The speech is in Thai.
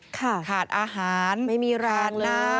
ขาดอาหารขาดน้ำไม่มีรางเลย